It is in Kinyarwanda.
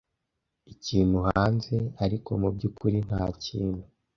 ikintu hanze ariko mubyukuri ntakintu